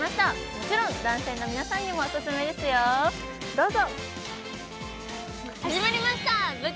もちろん男性の皆さんにもオススメですよ、どうぞ！